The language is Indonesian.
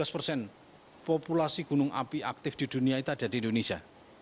lima belas persen populasi gunung api aktif di dunia itu ada di indonesia